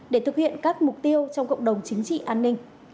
để thực hiện các mục tiêu trong cộng đồng chính trị an ninh